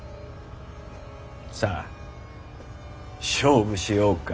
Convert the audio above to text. さあ勝負しよおか。